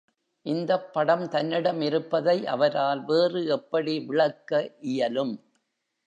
இந்தப் படம் தன்னிடம் இருப்பதை அவரால் வேறு எப்படி விளக்க இயலும்.